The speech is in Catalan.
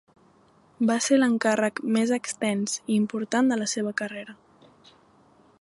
Va ser l'encàrrec més extens i important de la seva carrera.